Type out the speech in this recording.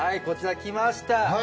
こちらきました。